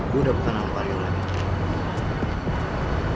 gua udah bukan anak waria lagi